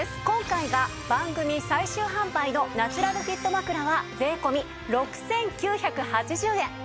今回が番組最終販売のナチュラルフィット枕は税込６９８０円。